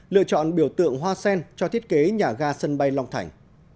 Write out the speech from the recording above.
lựa chọn biểu tượng hoa sen cho thiết kế nhà ga sân bay long thành